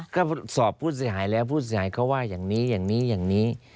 ก็สอบผู้เสียหายแล้วผู้เสียหายเขาว่าอย่างนี้อย่างนี้อย่างนี้